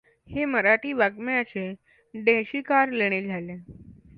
हे मराठी वाङ्मयाचे देशीकार लेणे झाले.